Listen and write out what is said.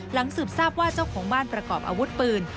สืบทราบว่าเจ้าของบ้านประกอบอาวุธปืน